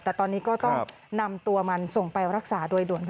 แต่ตอนนี้ก็ต้องนำตัวมันส่งไปรักษาโดยด่วน